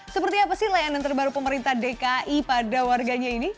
seperti apa sih layanan terbaru pemerintah dki pada warganya ini